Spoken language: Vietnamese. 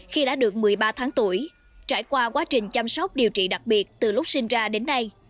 khi đã được một mươi ba tháng tuổi trải qua quá trình chăm sóc điều trị đặc biệt từ lúc sinh ra đến nay